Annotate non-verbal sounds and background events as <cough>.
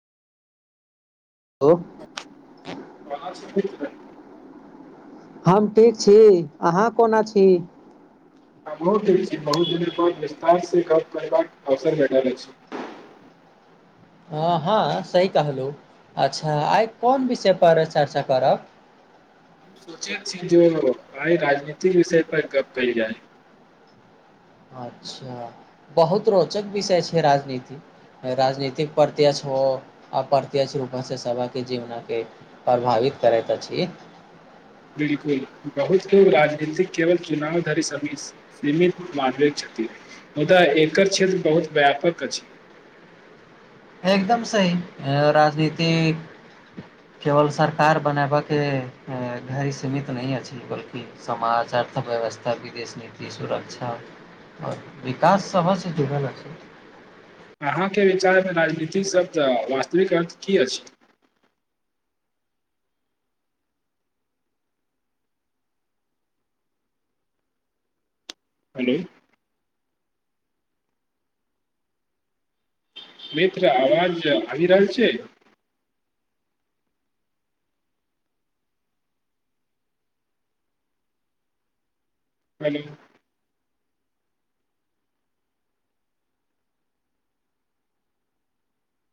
hello <unintelligible> हम टी छी अहाँ कोना छी हमहुँ ठिक छी बहुत दिन पर विस्तार से गप करबाक अवसर भेटल अछि हँ हँ सही कहलु अच्छा आइ कोन विषय पर चर्चा करब सोचेत छी जे ओ आइ राजनीति विषय पर गप कएल जाइ अच्छा बहुत रोचक विषय छै राजनीति राजनीतिक प्रत्य्यक्ष ओ अप्रत्यक्ष रूपेसँ सबे जीवनके परभावित करैत अछि बिल्कुल बहुत के राजनीतिक केवल चुनाव धरि समीस सीमित <unintelligible> क्षति मुदाऽ एकर क्षेत्र बहुत व्यापक अछि एकदम सही राजनीति केवल सरकार बनेबक घड़ी सीमित नहि अछि बलकि समाज अर्थव्यवस्था विदेश नीति सुरक्षा आओर विकास सभा से जुड़ल अछि अहाँके विचारमे राजनीति शब्द वास्तविक अर्थ की अछि हलौ मित्र आवाज आबी रहल छै हलौ